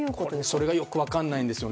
それがよく分からないんですよ。